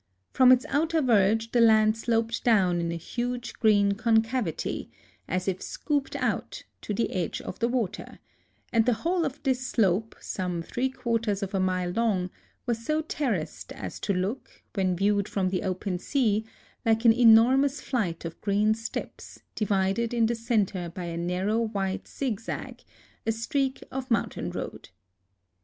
From its outer verge the land sloped down in a huge green concavity, as if scooped out, to the edge of the water ; and the whole of this slope, some three quar ters of a mile long, was so terraced as to look, when viewed from the open sea, like an enor mous flight of green steps, divided in the centre by a narrow white zigzag, — a streak 18 A LIVING GOD of mountain road.